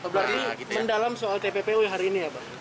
berarti mendalam soal tppu hari ini ya pak